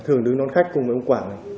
thường đứng đón khách cùng ông quảng